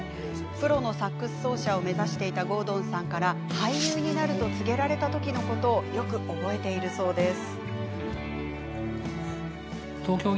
プロのサックス奏者を目指していた郷敦さんから俳優になると告げられたときのことをよく覚えているそうです。